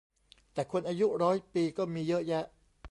แต่คนอายุร้อยปีก็มีเยอะแยะ